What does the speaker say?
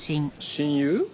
親友？